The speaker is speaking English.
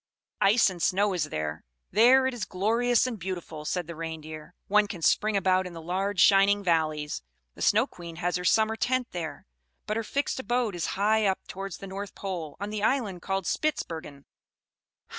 "Ice and snow is there! There it is, glorious and beautiful!" said the Reindeer. "One can spring about in the large shining valleys! The Snow Queen has her summer tent there; but her fixed abode is high up towards the North Pole, on the Island called Spitzbergen."